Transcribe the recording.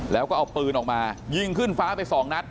แล้วก็เอาปืนออกมายิงขึ้นฟ้าไปสองนัด